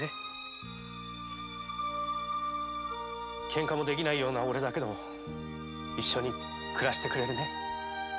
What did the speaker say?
ケンカもできないオレだが一緒に暮らしてくれるね！？